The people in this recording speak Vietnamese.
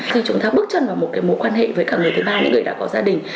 khi chúng ta bước chân vào một cái mối quan hệ với cả người thứ ba những người đã có gia đình